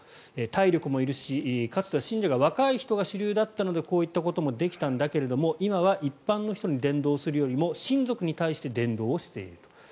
体力もいるし、かつては信者が若い人が主流だったのでこういったこともできたんだけれど今は一般の人に伝道するよりも親族に対して伝道していると。